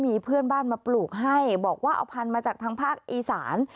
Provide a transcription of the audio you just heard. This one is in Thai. มีเพื่อนบ้านมาปลูกให้บอกว่าเอาพันธุ์มาจากทางภาคอีสาน